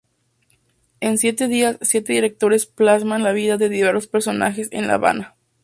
En siete días, siete directores plasman la vida de diversos personajes en La Habana.